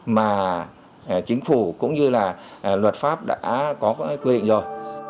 mà chính phủ cũng như là luật pháp đã có quy định rồi